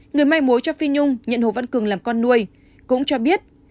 người may mối cho phi nhung nhận hồ văn cường làm con nuôi cũng cho biết